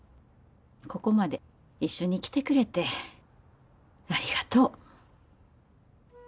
ここまで一緒に来てくれてありがとう。